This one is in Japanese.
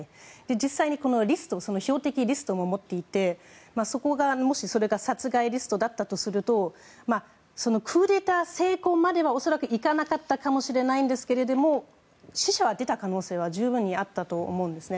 実際に標的リストも持っていてもしそれが殺害リストだったとするとクーデター成功までは恐らくいかなかったかもしれませんが死者は出た可能性は十分にあったと思うんですね。